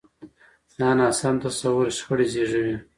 دا ناسم تصور شخړې زېږوي.